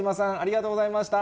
ありがとうございます。